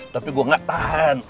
tapi gue gak tahan